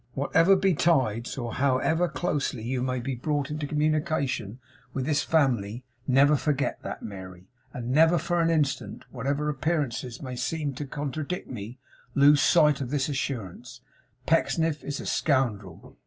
Whatever betides, or however closely you may be brought into communication with this family, never forget that, Mary; and never for an instant, whatever appearances may seem to contradict me, lose sight of this assurance Pecksniff is a scoundrel.